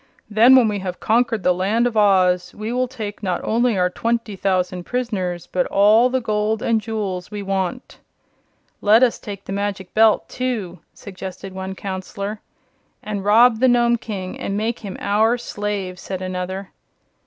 Then, when we have conquered the Land of Oz, we will take not only our twenty thousand prisoners but all the gold and jewels we want." "Let us take the Magic Belt, too," suggested one counselor. "And rob the Nome King and make him our slave," said another.